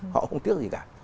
họ không tiếc gì cả